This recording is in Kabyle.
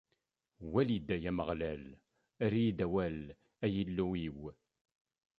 Wali-d, ay Ameɣlal, err-iyi-d awal, ay Illu-iw!